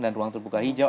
dan ruang terbuka hijau